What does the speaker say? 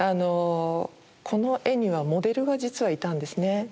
この絵にはモデルが実はいたんですね。